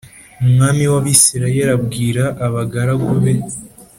Umwami w’Abisirayeli abwira abagaragu be